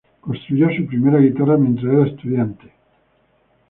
Construyó su primera guitarra mientras era estudiante en el St.